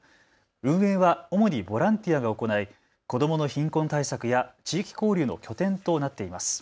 運営は主にボランティアが行い子どもの貧困対策や地域交流の拠点となっています。